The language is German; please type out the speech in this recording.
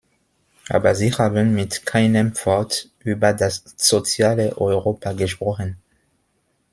Aber sie haben mit keinem Wort über das soziale Europa gesprochen.